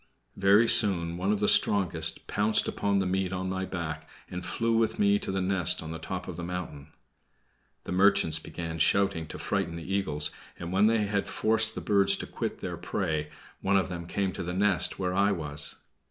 Very soon one of the strongest pounced upon the meat on my back, and flew with me to its nest on the top of the mountain. The merchants began shouting to frighten the eagles, and when they had forced the birds to quit their prey, one of them came to the nest where I was.